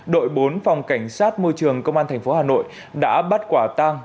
đội bốn phòng cảnh sát môi trường công an thành phố hà nội đã bắt quả tăng